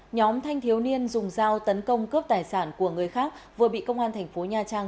nhóm thanh thiếu niên dùng dao tấn công cướp tài sản của người khác vừa bị công an thành phố nha trang